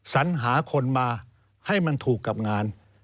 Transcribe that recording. สัญหาคนมาให้มันถูกกับงาน